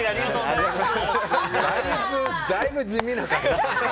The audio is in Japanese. だいぶ地味な。